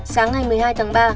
sáng ngày một mươi hai tháng ba